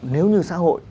nếu như xã hội